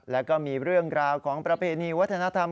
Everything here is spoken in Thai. แล้วก็มีเรื่องราวของประเพณีวัฒนธรรม